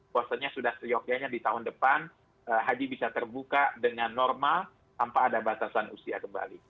puasanya sudah seyokianya di tahun depan haji bisa terbuka dengan normal tanpa ada batasan usia kembali